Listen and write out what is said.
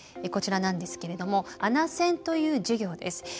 こちらなんですけれども「あなせん」という授業です。